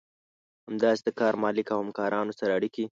همداسې د کار مالک او همکارانو سره اړيکې.